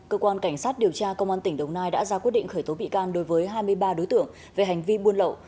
cơ quan cảnh sát điều tra công an tỉnh đồng nai đã ra quyết định khởi tố bị can đối với hai mươi ba đối tượng về hành vi buôn lậu